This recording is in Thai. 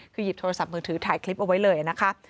คือหยิบโทรศัพท์มือถือถ่ายคลิปเอาไว้เลยนะคะ